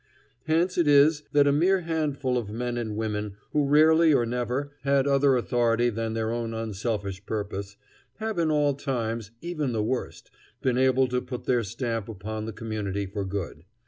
Hence it is that a mere handful of men and women who rarely or never had other authority than their own unselfish purpose, have in all times, even the worst, been able to put their stamp upon the community for good.